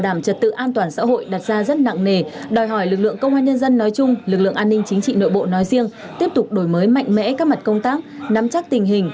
an ninh chính trị nội bộ nói riêng tiếp tục đổi mới mạnh mẽ các mặt công tác nắm chắc tình hình